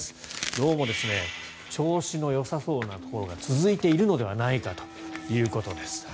どうも調子のよさそうなところが続いているのではないかということです。